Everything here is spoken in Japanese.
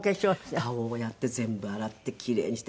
顔をやって全部洗って奇麗にして。